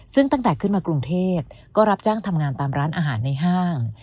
ซึ่งตั้งแต่ขึ้นมากรุงเทพก็รับจ้างทำงานตามร้านอาหารในห้าง